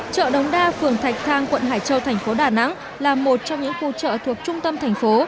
chợ đống đa phường thạch thang quận hải châu thành phố đà nẵng là một trong những khu chợ thuộc trung tâm thành phố